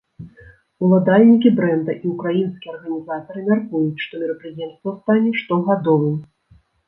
Уладальнікі брэнда і ўкраінскія арганізатары мяркуюць, што мерапрыемства стане штогадовым.